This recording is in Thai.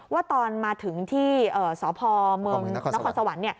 ว่าตอนมาถึงที่สพเมืองนครสวรรค์